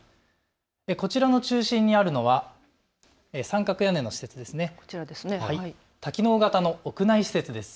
こちらの中心にあるのは三角屋根の施設、多機能型の屋内施設です。